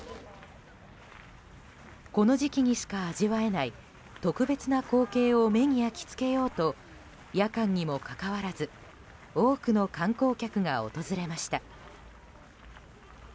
この時期にしか味わえない特別な光景を目に焼き付けようと夜間にもかかわらず多くの観光客が訪れました。